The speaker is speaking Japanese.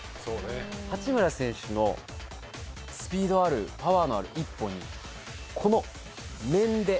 八村選手のスピードあるパワーのある一歩にこの面で。